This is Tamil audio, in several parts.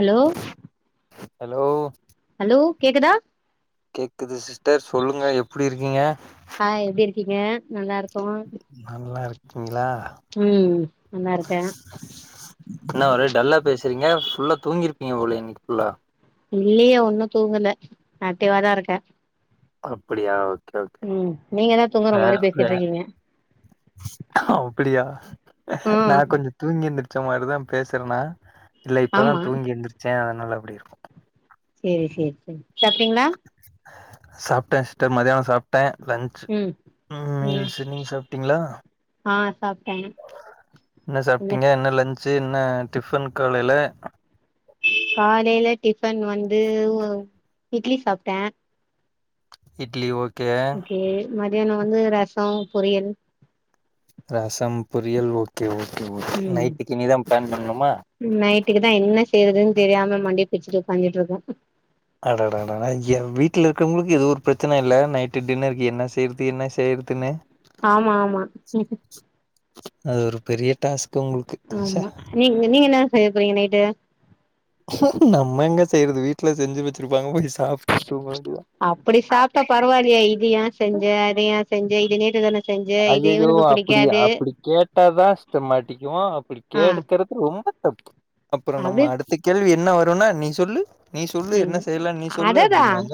ஹலோ ஹலோ ஹலோ கேக்குதா கேக்குது சிஸ்டர் சொல்லுங்க எப்பிடி இருக்கீங்க க்கீங்க நல்லா இருக்கோ நல்லா இருக்கீங்களா ம் நல்லா இருக்கேன் என்னா ஒரே டல்லா பேசுறீங்க ஃபுல்லா தூங்கி இருப்பீங்க போல இன்னிக் ஃபுல்லா இல்லியே ஒன்னு தூங்கலே ஆகட்டிவா தா இருக்கே அப்பிடியா ம் நீங்க தா தூங்குற மாரி பேசிட்டு இருக்கீங்க அப்டியா ஆ நா கொஞ்சோ தூங்கி எந்திரிச்ச மாரிதா பேசுறனா இல்ல இப்பதா ஆமா தூங்கி எந்திரிச்சே அதுனால அப்டிருக்கோ சேரி சேரி செரி சாப்டீங்ளா சாப்ட்டே சிஸ்டர் மதியானொ சாப் டேன் லன்ச் ம் ம் ம்மீல்ஸ் நீங்க சாப்ட்டீங்ளா ஆ சாப்ட்டேங்க என்ன சாப்ட்டீங்க என்ன லன்ச்சு என்ன டிஃபன் காலைல காலேல டிஃபன் வந்து இட்லி சாப்ட்டே சிட்லி ஓக் ஓகே மதியானொ வந்து ரசொ பொரியல் ரசம் பொரியல் ஓக்கே ஓக்கே ஓக் ம் நைட்டுக்கு இனிதான் பிளான் பண்ணுமா நைட்டுக்கு தா என்ன செய்றதுனு தெரியாம மண்டய பிச்சுட்டு ஒக்காந்துட்ருக்கேம் அடடாடடா ஏ வீட்ல இருக்கறவங்ளுக்கு இது ஒரு பிரச்சன இல்ல நைட்டு டின்னருக்கு என்ன செய்ற்து என்ன செய்றதுன்னு ஆமா ஆமா அது ஒரு பெரிய டாஸ்க் உங்குள்க்கு ச்சே நீங் நீங்க என்ன செய்ய போறீங்க நைட்டு நம்ம எங்க செய்றது வீட்ல செஞ்சு வச்சிருப்பாங்க போய் சாப்ட்டு தூங்கவேண்டியதா அப்டி சாப்டா பரவாயில்லயே இது ஏ செஞ்ச அத ஏ செஞ்ச இது நேத்து தான செஞ்ச இது அய்யயோ இவனுக்கு அப்டி பிடிக்காது அப்டி கேட்டாதா சிஸ்ட மாட்டிக்குவோ அப்டி ஆ கேட்க்கறது ரொம்பத் அப் அப்றொ அப்டி நம்ம அடுத்த கேள்வி என்ன வருன்னா நீ சொல்லு நீ சொல்லு ம் என்ன செய்லாம் நீ சொல்லு அததா அப்டினுவாங்க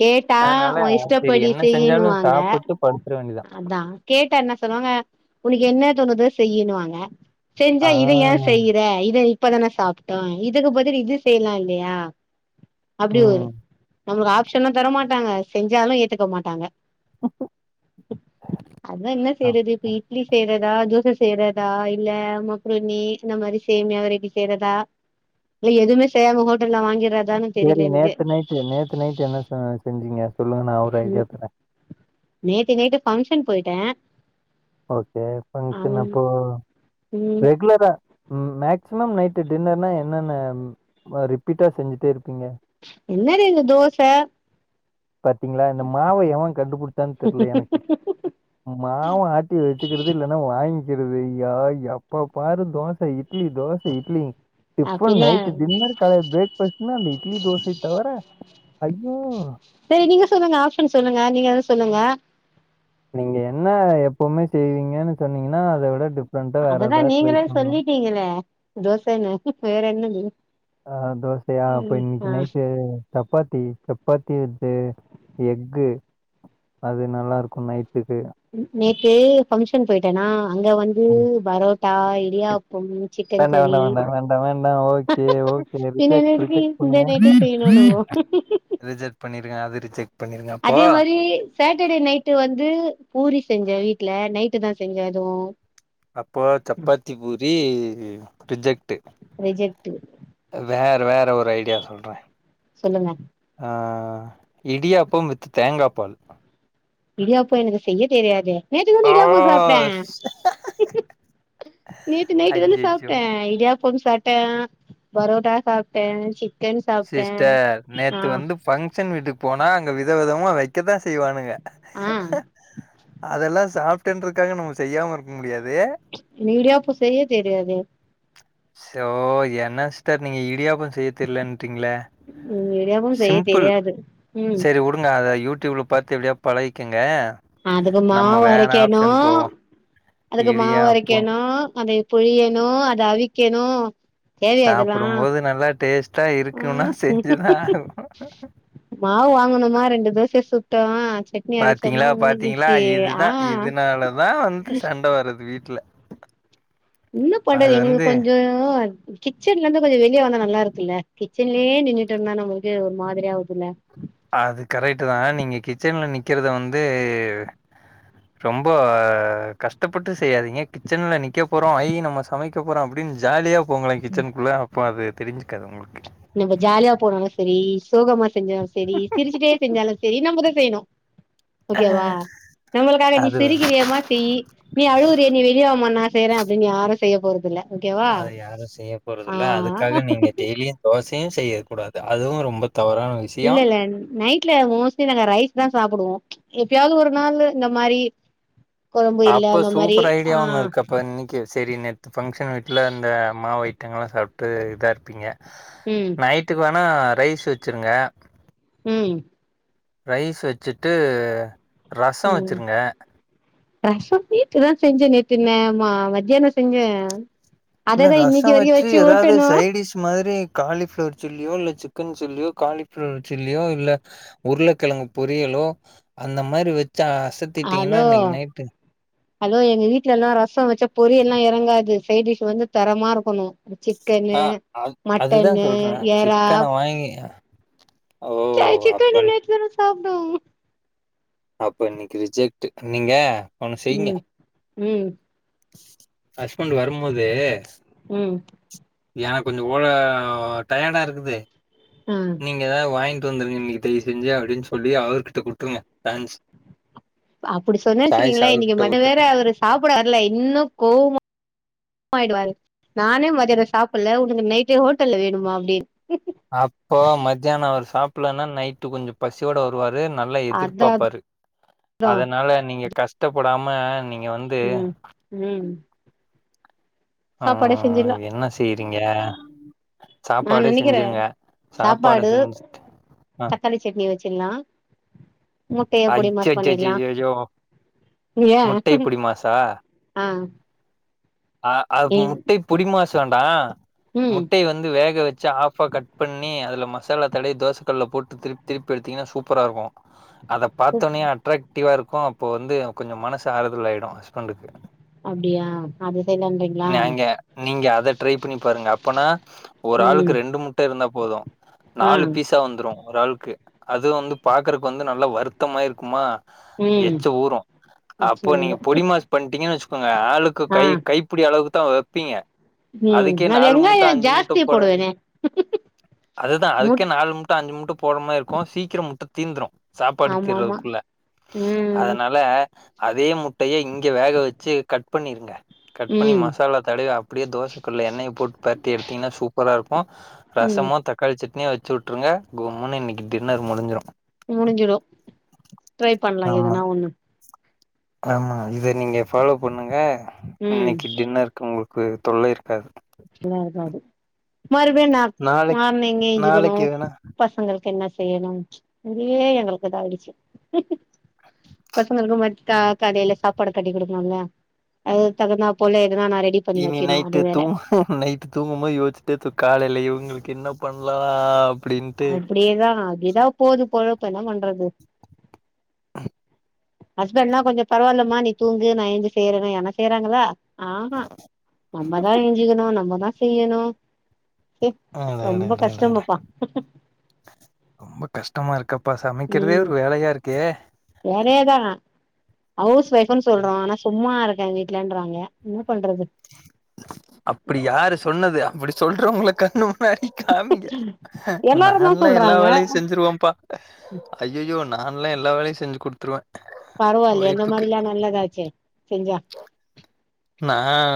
கேட்டா அதனால உ சரி இஷ்டப்படி என்ன செஞ்சாலும் சாப்புட்டு படுத்ர வேண்டிதான் அதான் கேட்டா என்ன சொல்வாங்க உனக்கு என்ன தோணுதோ செய்யின்னுவாங்க செஞ்சா ஆ. இத ஏ செய்ற இத இப்பதான சாப்ட்டோ இதுக்கு பதில் இது செய்லா இல்லியா அப்டி ஒரு ம். நமக்கு ஆப்ஷனு தரமாட்டாங்க செஞ்சாலும் ஏத்துக்க மாட்டாங்க அதே என்ன ஆ. செய்றது இப்ப இட்லி செய்றத் தா தோச செய்றதா இல்ல மக்ருனி இந்த மாரி சேமியா வெரைட்டி செய்றதா இல்ல எதுவுமே செயாமா ஹோட்டல்ல வாங்கிறதான்னு தெரியல எதுமே நேத் நைட்டு என்ன சமயல் செஞ்சீங்க சொல்லுங்க நா ஒரு ஐடியா ம் தரே நேத்து நைட்டு ஃபங்ஷன் போய்ட்டே ஓகே ஃபங்சன் அப்போ ம் ரெகுலரா ம் மேக்சிமம் நைட்டு டின்னர்னா என்னன்ன அ ரிப்பீட்டா செஞ்சுட்டே இருப்பீங்க என்னது இது தோச பாத்தீங்ளா இந்த மாவ எவெ கண்டுபுடிச்சானு தெர்ல எனக்கு மாவ ஆட்டி வச்சுக்கறது இல்லனா வாங்கிக்கறது யா எப்ப பாரு தோச இட் லி தோச இட்லி எப்பவு அப்டின்னு நைட் டின்னர் காலெல பிரேக் ஃபாஸ்ட்னா அந்த இட்லி தோசைத்தவர ஐயோ செரி நீங்க சொல்லுங்க ஆப்ஷன் சொல்லுங்க நீங்க எத சொல்லுங்க நீங்க என்னா எப்பவுமே செய்வீங்கனு சொன்னீங்னா அத விட டிஃப் அததா நீங்களே சொல்லிட்டீங்களே தோசன்னு வேறென்னது ஆ தோசயா அப்ப இன்னிக்கு நைட்டு சப்பாத்தி சப்பாத்தி வித்து எஃகு அது நல்லாருக்கு நைட்டுக்கு நேத்து பங்க்ஷன் பொய்ட்டேனா அங்க வந் து ம். பரோட்டா இடியாப்பம் சிக்கன் வேண்டாம் கறி வேண்டாம் வேண்டாம் வேண்டாம் வேண்டாம் ஓகே ஓகே பின்ன ரிஜெக்ட் இதுஎதுக்கு ரிஜெக்ட் பண்ணுங்க இன்னக் நைட்டே செய்ணுணுங்கோ பண்ணிருக்க அது ரிஜெக்ட் பண்ணிருங்க அப்போ அதே மாரி சாட்டர்டே நைட்டு வந்து பூரி செஞ்சே வீட்ல நைட்டு தா செஞ்சே அதுவு அப்போ சப்பாத்தி பூரி ரிஜெக்ட்டு ரிஜெக்ட்டு வேற வேற ஒரு ஐடியா சொல்றே சொல்லுங்க அ இடியாப்பம் வித் தேங்கா பால் இடியாப்போ எனக்கு செய்ய தெரியாதே நேத்துதானே ஓ இடியாப்போ சாப்ட்டே நேத்டு நைட்டு தானே ஐயோ சாப்பிட்டே இடியாப் பம் சாப்பிட்டே பரோட்டா சாப்பிட்டே சிக்கன் சாப்பிட்டே ஆ பங்க்ஷன் வீட்டுக்கு போனா அங்க வித விதமா வைக்கத்தா செய்வானுங்க ஆ அதெல்லா சாப்டன்றதுக்காக நம்ம செய்யாம இருக்க முடியாது இடியாப்போ செய்ய தெரியாதே சோ என்ன சிஸ்டர் நீங்க இடியாப்போ செய்ய தெரிலன்றீங்ளே ம் இடியாப்பம் செய்ய சிம்பிள் தெரியாது ம் சரி உடுங்க அத யூட்டூப்ல பாத்து எப்டியோ பழகிக்கங்க அதுக்கு நம்ம வேற மாவரைக்கணு ஆப்ஷன் போவோ அதுக்கு இடியாப்போ மாவரைக்கணு அத புழியணு அத அவிக்கணு தேவையா இதெல்லா சாப்டும்போது நல்லா டேஸ்ட்டா இருக்குனா ம் செஞ்சுதா ஆகனு மாவு வாங்கணுமா ரெண்டு தோசைய சுட்டமா சட்னி அரச்சமோ பாத்திங்ளா பாத்திங்ளா இதுதா இததுனாலதா வந்து சண்ட வர்றது வீட்ல என்ன பண்றது அது எங்ளுக்கு வந்து கொஞ்சோ கிச்சன்லந்து கொஞ்சோ வெளியே வந்தா நல்லா இருக்குல்ல கிச்சன்லியே நின்னுட்டு இருந்தா நம்ளுக்கு ஒரு மாதிரியா ஆவுதுல்ல அது கரெக்ட்தா நீங்க கிச்சன்ல நிக்றத வந்து ரொம்ப கஷ்டப்பட்டு செய்யாதிங்க கிச்சன்ல நிக்க போறோ ஐ நம்ம ச மைக்க போறோ அப்டின்னு ஜாலியாக போங்கலே கிச்சன்க்குள்ள அப்போ அது தெரிஞ்சுக்காது உங்ளுக்கு நீங்க ஜாலியா போனோலு சரி சோகமா செஞ்சாலு சரி சிரிச்சுட்டே செஞ்சாலு சரி நம்மதா செய்ணு ஓகேவா நம்மளுக்காக நீ அது வந்து சிரிகிரியேமே சிரி நீ அழுகுறியே நீ வெளியவாமா நா செய்றே அப்டின்னு யாரு செய்ய போறதில்ல ஓகேவா அது யாரு ஆ செய்யபோறதில்ல அதுக்காக நீங்க டெய்லியு தோசையு செய்யக்கூடாது அதுவு ரொம்ப தவறான இல்ல விஷயம். இல்ல நைட்ல மோஸ்லி நாங்க ரைஸ்தா சாப்புடுவோ எப்பயாவது ஒரு நாள் இந்த மாரி கொழம்பு இல்ல அந்த மாரி அ இப்போ இன்னிக்கி சரி நேத்து ஃபங்க்ஷன் வீட்ல இந்த மாவு ஐட்டங்கள்லா சாப்ட்டு இதா இருப்பீங்க ம் நைட்டுக்கு வேணா ரைஸ் வச்சுருங்க ம் ரைஸ் வச்சுட்டு ரசோ வச்சிருங்க ரச வீட்லதா செஞ்ச நேத்து னேமா மத்தியானோ செஞ்சே இல்ல அததா இன்னைக்கு ரசம் வரைக்கு வச்சு ஏதாவது ஊட்டணு சைடிஷ் மாதிரி காளிஃப்ளவர் சில்லியோ இல்ல சிக்கன் சில்லியோ காளிஃப்ளவர் சில்லியோ இல்ல உருளைக்கிழங்கு பொரியலோ அந்த மாறி வச்சா ஹலோ ஹலோ எங்க வீட்லல்லாம் ரசம் வச்சா பொரியல் எல்லாம் இறங்காது சைடிஷ் வந்து தரமா இருக்கணும் அந்த சிக்கனு ஆ மட்டனு இறா வைங்க சைய் சிக்கன் இந்நேரத்துக்கு மேல சாப்டும் அப்ப இன்னிக்கு ரிஜெக்ட் நீங்க ஒண்ணு செய்யுங்க. ம் ம் ஹஸ்பண்ட் வரும்போது ம் ஏன் கொஞ்சோ ஓல டயர்டா இருக்குது ம் நீங்க வாய்ன்ட்டு வந்துருவீங்கன்னு தெரிஞ்சு செஞ்சி அப்டின் சொல்லி அவர்கிட்ட குடுத்துருங்க சான்ஸ் அப்டி சொன்னேன்னு சாய்ஸ் வெச்சிகங்களேன் இன்னிக்கு அவர்கிட்ட மட்டும் விட்டுட்டு வேற அவரு சாப்பிட வரல இன்னும் கோவ மா ஆய்டுவாரு நானே மதியானம் சாப்பல்ல உனக்கு நைட்டு ஹோட்டல்ல வேணுமா அப்டின் அப்போ மத்தியானம் அவரு சாப்பல்லன்னா நைட்டு கொஞ்சம் பசியோட வருவாரு நல்லா அதா எதிர்பாப்பாரு அதா அதனால நீங்க கஷ்டப்படாம நீங்க வந் ம் ம் ஆ சாப்பாடே செஞ்சிடலா என்ன செய்றீங்க நா சாப்பாடே நெனைக்கிறே செஞ்சிருங்க சாப்பாட சாப்பாடு செஞ்சு தக்காளி சட்னி வச்சிலாம் முட்டைய பொடி மாஸ் பண்ணிலாம் அச்சச்சச்சோ! யா முட்டை பொடிமாஸா? ஆ அ அது ம் முட்டை பொடி மாஸ் வேண்டாம் ம் முட்டை வந் து வேக வச்சு ஆஃப்பா கட் பண்ணி அதுல மசாலா தடவி தோச கல்ல போட்டு திருப்பி திரு ப்பி எடுத்தீங்கன்னா சூப்பரா இருக்கும் பாத்தோனே அட்ராக்டிவா இருக்கும் அப்போ வந்து கொஞ்சம் மனசு ஆறுதல் ஆய்டும் ஹஸ்பண்டுக்கு அப்டியா அது செய்யலான்றீங்களா நாங்க நீங்க அத ட்ரை பண்ணி பாருங்க அப்பனா ஒரு ம் ஆளுக்கு ரெண்டு முட்ட இருந்தா போதும் ஆ நாலு பீஸா வந்துரும் ஒரு ஆளுக்கு அது வந்து பாக்குறக்கு வந்து நல்லா வருத்தமாயிருக்குமா ம் எச்ச ஊரும் அப்போ நீங்க சேரி பொடி மாஸ் பண்ணிட்டீங்கன்னு வச்சுக்கோங்க ஆளுக்கு ஆ கை கை பிடி அளவுக்கு தான் வப்பீங்க ம் அதுக்கே நா நாலு மூட்ட வெங்காயோ அஞ்சு மூட்ட ஜாஸ்தி போட வேண்டி போடுவேனே அதுதான் அதுக்கே முட் நாலு மு ட்ட அஞ்சு முட்ட போடுற மேரி இருக்கும் சீக்கிரம் முட்ட தீந்துரும் சாப் ஆமா ஆமா திறதுக்குள்ள ம் அதனால அதே முட்டைய இங்க வேக வச்சு கட் பண்ணிருங்க கட் பண்ணி ம் மசாலா தடவி அப்டியே தோசைக்கல்ல எண்ணெய் போட்டு பிறட்டி எடுத்தீங்கன்னா சூப்பரா இருக்கும் ம் ரசமோ தக்காளி சட்னியும் வச்சு விட்டுருங்க கும்முன்னு இன்னிக்கு டின்னர் முடிஞ்சிடும் முடிஞ்சிடும் ட்ரை பண்ணலாம் ஆமா எதனா ஒண்ணு ஆமா இத நீங்க ஃபாலோ பண்ணுங்க ம் இன்னிக்கு டின்னர் உங்களுக்கு தொல்லை இருக்காது ல்ல ஆகாது வருவனா நாளைக்கு மார்னிங் நாளைக்கு எஞ்சிக்கணும் வேணா பசங்களுக்கு என்ன செய்யணும் அப்டியே எங்களுக்கு இது ஆயிடுச்சு பசங்களுக்கும் வட்டா கடையில சாப் பாடு கட்டி குடுக்கணோல அது தகுந்தா போல எதுனா நா ரெடி பண்ணி இனி வைக்கணு அது நைட்டு வேற தூங்க நைட்டு தூங்கும்போது யோசிச்சிட்டே தூக் காலையில இவுங்களுக்கு என்ன பண்லா அப்டின்ட்டு அப்டியேதா அப்டிதா போது பொழப்பு என்ன பண்றது ஹஸ்பண்ட்லா கொஞ்சோ பரவால்லமா நீ தூங்கு நா எழுந்து செய்யறனே யாருனா செய்றாங்களா ஆமா நம்மதா எஞ்சிக்கணோ நம்மதா செய்யணோ எ அட அட ரொம்ப அட அட அட. கஷ்டமப்பா ரொம்ப கஷ்டமா இருக்கப்பா சமைக்கிறதே ம் ஒரு வேலையா இருக்கே வேலையேதா ஹவுஸ் வொய்ஃபுனு சொல்றோ ஆனா சும்மா இருக்கே வீட்லன்றாங்க என்ன பண்றது அப்படி யாரு சொன்னது அப்புடி சொல்றவங்கல கண்ணு முன்னாடி காமிங்க எல்லாருந்தா நானெலா எல்லா சொல்றாங்க வேலையு செஞ்சிருவப்பா அய்யய்யோ நான்லா எல்லா வேலையு செஞ்சு குடுத்துருவே பரவாயில்லையே இந்த ஒய்ஃபுக்கு மாறி எல்லா நல்லதாச்சே செஞ்சா நா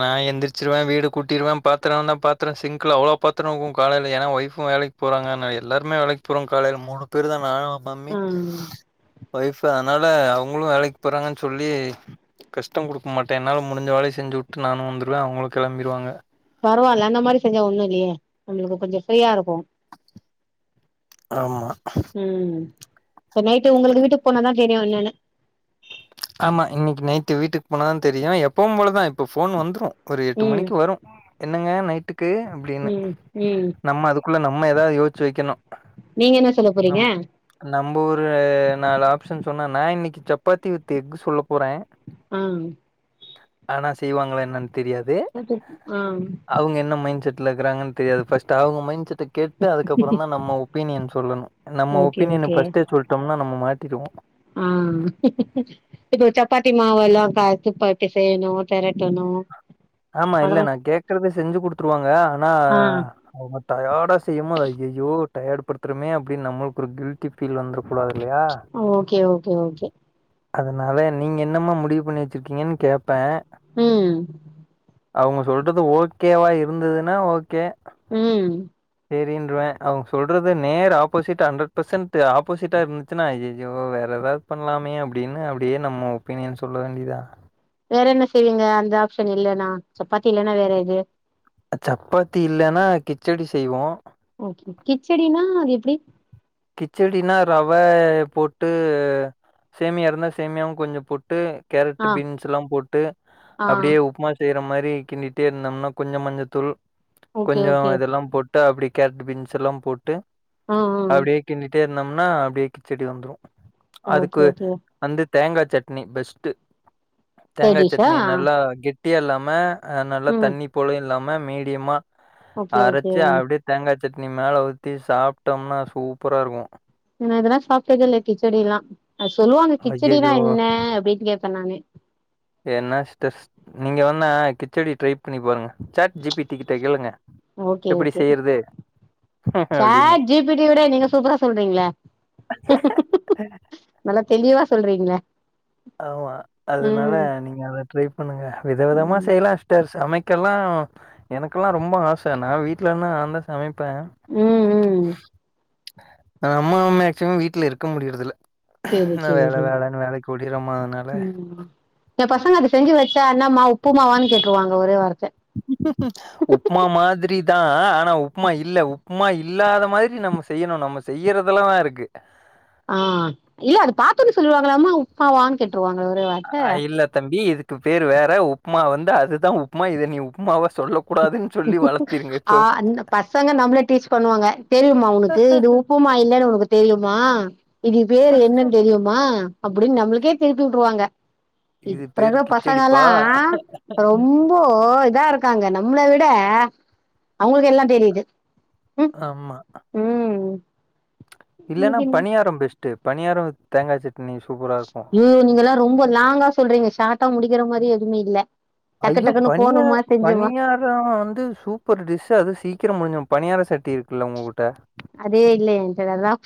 நா எந்திரச்சிருவே வீடு கூட்டிருவே பாத்திரோ பாத்திரோ சிங்குல அவ்ளோ பாத் திரும்பவு காலைல ஏன்னா வைஃபும் வேலைக்கு போறாங்க நா எல்லாருமே வேலைக்கு போறோ காலையில மூணு பேரு தா நானு மம்மி ஆ வொய்ஃபு அதனால அவங்களு வேலைக்கு போறாங்கன்னு சொல்லி கஷ்டம் குடுக்க மாட்டே என்னால முடிஞ்ச வேலைையு செஞ்சு வுட்டு நானு வந்துருவ அவுங்கலோ கெளம்பிறுவாங்க பரவால்ல அந்த மாரி செஞ்சா ஒண்ணு இல்லயே நம்மளுக்கு கொஞ்சோ ஃப்ரீயா இருக்கோ ஆமா ம் இப்ப நைட்டு உங்குளுக்கு வீட்டு போனாதா தெரியு என்னன்னு ஆமா இன்னிக்கு நைட்டு வீட்டுக்கு போனா தா தெரியு எப்பவு போலதா தெரியு இப்போ ஃபோன் வந்துடோ ஒரு எட்டு ம் மணிக்கு வரோ என்னங்க நைட்டுக்கு அப்டீன்னு ம் ம் நம்ம அதுக்குள்ள நம்ம எதாவது யோசிச்சு வெக்கணோ நீங்க என்னா சொல்ல போறீங்க நம்ம ஒரு நாலு ஆப்ஷன் சொன்னா நா இன்னிக்கு சப்பாத்தி வித் எக்கு சொல்ல போறே ஆ ஆனா செய்வாங்களா என்னன்னு தெரியாது ஆ அவுங்க என்ன மைண்ட் செட்ல இருக்கிறாங்கனு தெரியாது ஃபஸ்ட்டு அவுங்க மைண்ட் செட்டுக் கேட்டு அதுக்கப்புறோந்தா நம்மோ ஒப்பீனியன் சொல்லணோ நம்ம ஓகே ஒப்பீனியன் ஓகே ஃபர்ஸ்ட்டே சொல்ட்டோம்னா நம்மோ மாட்டிடுவோ ஆ இப்ப சப்பாத்தி மாவெல்லா பெரட்டி பெரட்டி செய்யணோ தெரட்டனோ ஆமா இல்ல நா கேக்குறத செஞ்சு குடுத்துருவாங்க ஆனா ஆ அவுங்க டயர்டா செய்யும்போது அய்யய்யோ டயர்டு படுத்துறமே அப்டீன் நம்மளுக்கு ஒரு கில்டி ஃபீல் வந்துற கூடாது இல்லயா ஓகே ஓகே ஓகே அதனால நீங்க என்னமா முடிவு பண்ணி வெச்சிருக்கீங்கனு கேப்ப உம் அவுங்க சொல்றது ஓகேவா இருந்ததுன்னா ஓகே உம் சரின்றுவ அவுங்க சொல்றது நேர் ஆப்போசிட்டா ஹண்ட்ரட் பர்சன்ட் ஆப்போசிட்டா இருந்துச்சுன்னா ஐய்யய்யோ வேறு எதாவது பண்லாமே அப்டீன்னு அப்டியே நம்மோ ஒப்பீனியன் சொல்ல வேண்டியதா வேற என்ன செய்வீங்க அந்த ஆப்ஷன் இல்லன்னா சப்பாத்தி இல்லன்னா வேற எது சப்பாத்தி இல்லன்னா கிச்சடி செய்வோ ஓகே கிச்சடினா அது எப்பிடி கிச்சடினா ரவய போட்டு சேமியாருந்தா சேமியாவு கொஞ்சோ போட்டு கேரட் ஆ பீன்ஸ்ல்லா போட்டு ஆ அப்டியே உப்புமா செய்யற மாரி கிண்டிட்டே இருந்தோம்னா கொஞ்சோ மஞ்சள் தூள் ஓகே கொஞ்சோ ஓகே இதெல்லா போட் ட்ரு அப்படி கேரட் பீன்ஸ்ல்லா போட்டு ஆ ஆ அப்டியே கிண்டிட்டே இருந்தோம்னா அப்டியே கிச்சடி வந்துரு ஓகே அதுக்கு ஓகே வந்து தேங்கா சட்னி பெஸ்ட்டு சைட் தேங்கா டிஷ்ஷா சட்னி நல்லா கெட்டியா இல்லாம நல்லா ம் தண்ணி போலயு இல்லாம மீடியமா ஓகே ஓகே அரைச்சு அப்டியே தேங்கா சட்னி மேலே ஊத்தி சாப்ட்டோம்னா சூப்பராகருக்கு நா இதெல்லா சாப்ட்டதே இல்ல கிச்சடில்லா அது சொல்லுவாங்க கிச்சடில்லா அய்யய்யோ! என்ன அப்டின்னு கேப்பே நானே என்ன ஸ்டேஸ்ட் நீங்க வேன்னா கிச்சடி ட்ரை பண்ணி பாருங்க சட் ஜி பி டிக்கிட்ட கேளுங்க எப்பிடி செய்யறது அப்டின்னு ஜார்ஜ் ஜி பிடிவுட நீங்க சூப்பரா சொல்றீங்கள நல்லா தெளிவா சொல்றீங்களே ஆமா அதனால ம் நீங்க அத ட்ரை பண்ணுங்க வித விதமா ம் செய்யலா சிஸ்டர் சமைக் ல்லா எனக்கெல்லா ரொம்ப ஆச நா வீட்லனா நா தா ச சமைப்பே ம் ம் நம்மளு மேக்சிமம் வீட்ல இருக்க முடியறதில்ல சேரி நா சேரி வேல சேரி வேலன்னு வேலைக்கிப் ம் ம் ஏ பசங்க அத செஞ்சு வச்சா அன்னாமா உப்புமாவான் கேக்காவாங்கோ ஒரே வார்த்த உப்புமா மாதிரி தா ஆனா உப்புமா இல்ல உப்மா இல்லாத மாதிரி நம்ம செய்யணு நம்ம செய்யறதலதா இருக்கு ஆ இல்ல அது பாத்தோன்னே சொல்லுவாங்களாமா உப்மாவா கேட்டுருவாங்க ஒரே வார்த்த ஆ இல்ல தம்பி இதுக் க்கு பேரு வேற உப்மா வந்து அதுதா உப்மா இத நீ உப்மாவா சொல்ல கூடாதுன்னு சொல்லி வளர்த்திரு ஆ ந்த பசங்க நம்மள டீஸ் பண்ணுவாங்க தெரியுமா உனக்கு இது உப்புமா இல்லென்னு உனக் தெரியுமா இது பேரு என்னன்னு தெரியுமா அப்டின்னு நம்மளுக்கே திருப்பி உட்ருவாங்க இது பேரு இப்பரக்கற கிச்சடிப்பா. பசங்கெல்லா ரொம் போ இதாருக்காங்க நம்மள விட அவுங்களுக்கு எல்லா தெரியுது ம் ஆமா ம் இல்லன்னா பணியாரம் பெஸ்ட் பணியாரம் வித் தேங்கா சட்னி சூப்பர் யோ நீங்கல்லா ரொம்ப லாங்கா சொல்றீங்க ஷார்ட்டா முடிக்கிற மாரி எதுமே இல்ல டக்குடக்குன்னு போனோமா செஞ்சோமா பணியாரோ வந்து சூப்பர் டிஷ் அது சீக்கிரோ முடிஞ்சுரு பணியார சட்டி இருக்குல உங்ககுட்ட அதே இல்ல எங்கிட்ட அதுதா